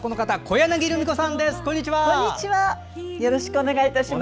よろしくお願いします。